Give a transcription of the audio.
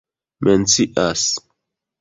mencias